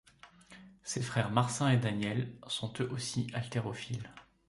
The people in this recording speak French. Ses frères Marcin et Daniel sont eux aussi haltérophiles.